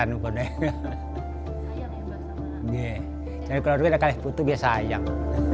saya juga sudah berusia sepuluh tahun saya sayang